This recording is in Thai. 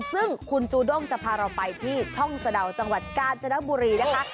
ซึ่งคุณจูด้งจะพาเราไปที่ช่องสะดาวจังหวัดกาญจนบุรีนะคะ